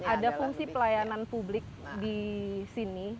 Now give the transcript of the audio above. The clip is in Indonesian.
ada fungsi pelayanan publik di sini